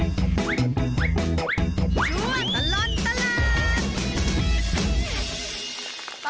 ช่วยตลอดตลาด